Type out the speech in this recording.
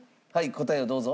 答えをどうぞ。